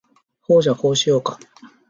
ほーじゃ、こうしようか？